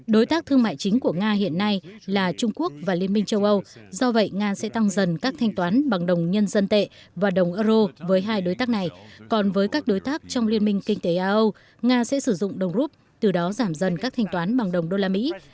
đối tác thương mại chính của nga hiện nay là trung quốc và liên minh châu âu do vậy nga sẽ tăng dần các thanh toán bằng đồng nhân dân tệ và đồng euro với hai đối tác này còn với các đối tác trong liên minh kinh tế a âu nga sẽ sử dụng đồng rút từ đó giảm dần các thanh toán bằng đồng đô la mỹ